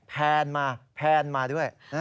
แพนมาแพนมาด้วย